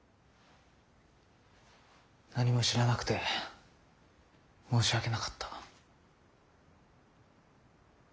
何も知らなくて申し訳なかった。